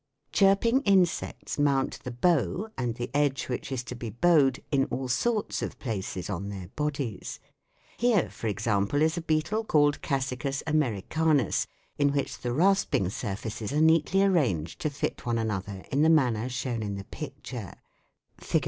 Chirping insects mount the " bow " and the edge which is to be bowed in all sorts of places on their bodies. Here, for example, is a beetle called Cacicus Americanus in which the rasping surfaces are neatly arranged to fit one another in the manner shown in the picture (Fig.